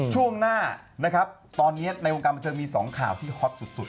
ช่วงหน้าตอนนี้ในวงการบัตเติมมี๒ข่าวที่ฮอตสุด